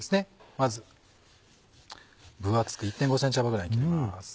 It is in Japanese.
まず分厚く１．５ｃｍ幅ぐらいに切ります。